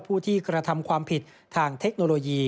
ผู้ที่กระทำความผิดทางเทคโนโลยี